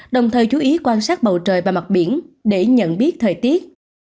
đồng thời chú ý quan sát bầu trời và mặt biển để nhận biết thời tiết